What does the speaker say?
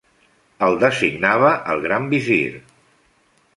El designava el gran visir.